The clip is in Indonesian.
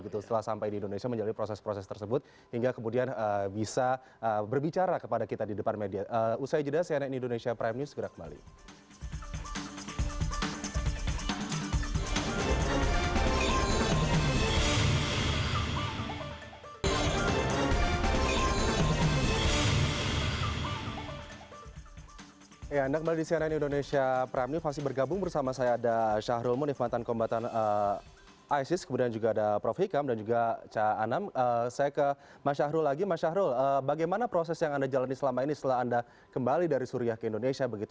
terutama soal anak anak ya